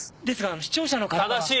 ですが視聴者の方は。